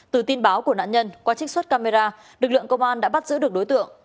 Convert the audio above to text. từ tin báo của nạn nhân qua trích xuất camera lực lượng công an đã bắt giữ được đối tượng